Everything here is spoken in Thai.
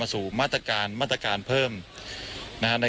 คุณทัศนาควดทองเลยค่ะ